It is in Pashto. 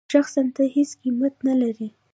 شخصاً ته هېڅ قېمت نه لرې.